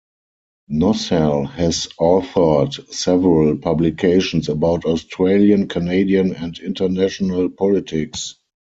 Nossal has authored several publications about Australian, Canadian and international politics.